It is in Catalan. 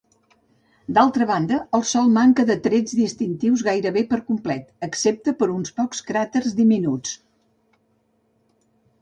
D'altra banda, el sòl manca de trets distintius gairebé per complet, excepte per uns pocs cràters diminuts.